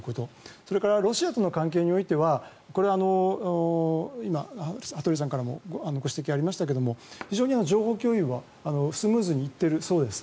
それからロシアとの関係においては今、羽鳥さんからもご指摘がありましたけれど非常に情報共有もスムーズにいっているそうです。